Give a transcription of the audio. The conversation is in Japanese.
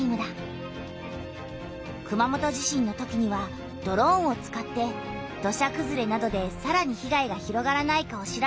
熊本地震のときにはドローンを使って土砂くずれなどでさらに被害が広がらないかを調べたんだ。